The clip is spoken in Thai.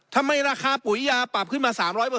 ราคาปุ๋ยยาปรับขึ้นมา๓๐๐